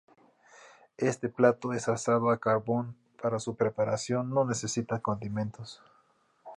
Este plato es asado a carbón, para su preparación no necesita condimentos.